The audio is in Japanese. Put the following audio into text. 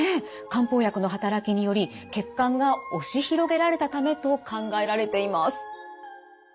漢方薬の働きにより血管が押し広げられたためと考えられています。